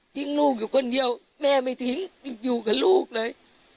ลูกอยู่คนเดียวแม่ไม่ทิ้งอยู่กับลูกเลย